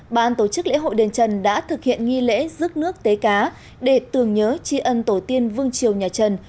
ban tổ chức lễ hội đền trần đã thực hiện nghi lễ rước nước tế cá để tưởng nhớ tri ân tổ tiên vương triều nhà trần